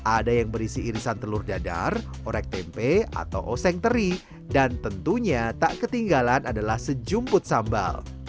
ada yang berisi irisan telur dadar orek tempe atau oseng teri dan tentunya tak ketinggalan adalah sejumput sambal